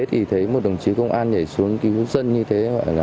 thì thấy một đồng chí công an nhảy xuống cứu dân như thế